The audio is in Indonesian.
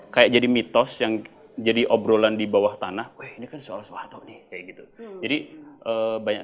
kayak jadi mitos yang jadi obrolan di bawah tanah weh ini kan soal salah atau nih kayak gitu jadi banyak